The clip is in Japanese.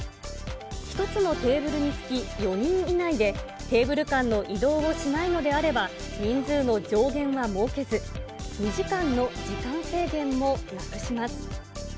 １つのテーブルにつき、４人以内で、テーブル間の移動をしないのであれば、人数の上限は設けず、２時間の時間制限もなくします。